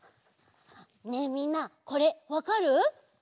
ねえみんなこれわかる？